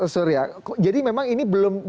surya jadi memang ini